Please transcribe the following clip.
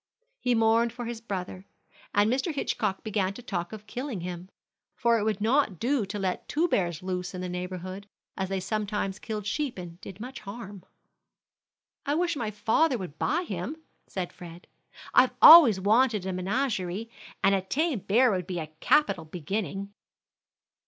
He mourned for his brother, and Mr. Hitchcock began to talk of killing him; for it would not do to let two bears loose in the neighborhood, as they sometimes killed sheep and did much harm. "I wish my father would buy him," said Fred, "I've always wanted a menagerie, and a tame bear would be a capital beginning."